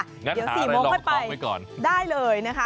เดี๋ยว๔โมงไว้ไปได้เลยนะคะงั้นหาอะไรรองท้องไว้ก่อน